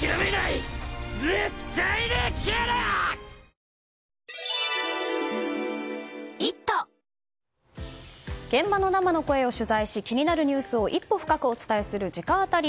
三ツ矢サイダー』現場の生の声を取材し気になるニュースを一歩深くお伝えする直アタリ。